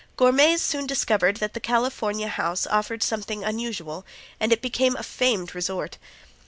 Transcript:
Gourmets soon discovered that the California House offered something unusual and it became a famed resort.